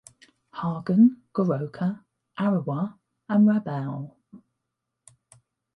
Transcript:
Hagen, Goroka, Arawa and Rabaul.